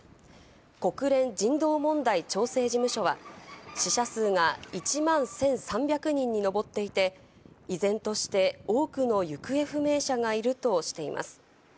国連人道問題調整事務所は死者数が１万１３００人に上っていて、依然として多くの行方不明者がいるとしています。